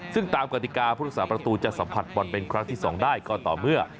ซึ่งตามกติกาผู้รักษาประตูจะสัมผัสบอลเป็นครั้งที่๒ได้ก็ต่อเมื่อ